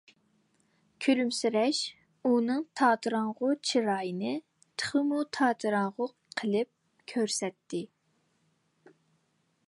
كۈلۈمسىرەش ئۇنىڭ تاتىراڭغۇ چىرايىنى تېخىمۇ تاتىراڭغۇ قىلىپ كۆرسىتەتتى.